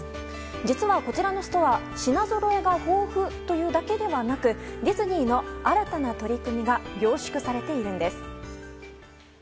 実はこちらのストア品ぞろえが豊富というだけではなくディズニーの新たな取り組みが凝縮されているんです。